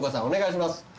お願いします。